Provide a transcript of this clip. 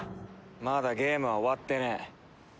まだゲームは終わってねえ。